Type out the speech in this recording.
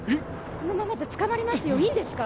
このままじゃ捕まりますよいいんですか？